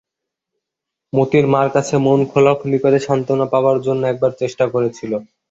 মোতির মার কাছে মন খোলাখুলি করে সাত্ত্বনা পাবার জন্যে একবার চেষ্টা করেছিল।